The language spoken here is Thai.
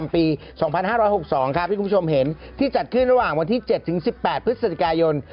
ปี๒๕๖๒ครับที่คุณผู้ชมเห็นที่จัดขึ้นระหว่างวันที่๗๑๘พฤศจิกายน